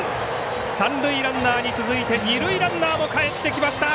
三塁ランナーに続いて二塁ランナーもかえってきました